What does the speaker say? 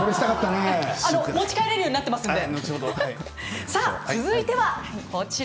持ち帰れるようになっていますので。